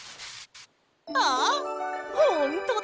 あっほんとだ！